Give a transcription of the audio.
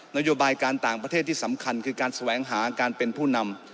นโยบายการต่างประเทศที่สำคัญคือการแสวงหาการเป็นผู้นำ